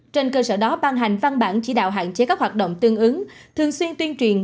trên cơ sở đó ban hành văn bản chỉ đạo hạn chế các hoạt động tương ứng thường xuyên tuyên truyền